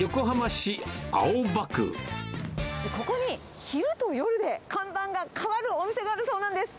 ここに、昼と夜で看板が変わるお店があるそうなんです。